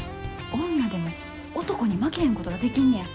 女でも男に負けへんことができんねや。